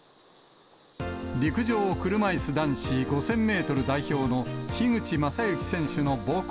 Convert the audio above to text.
陸上車いす男子５０００メートル代表の樋口政幸選手の母校。